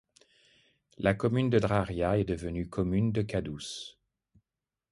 La Commune de Draria est devenue Commune de Kaddous.